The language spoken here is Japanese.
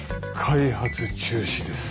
開発中止です。